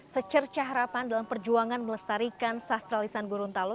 secerca harapan dalam perjuangan melestarikan sastralisan gorontalo